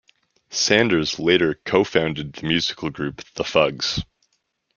Sanders later co-founded the musical group The Fugs.